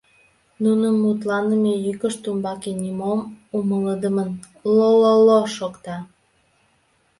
Нунын мутланыме йӱкышт умбаке нимом умылыдымын ло-ло-ло шокта.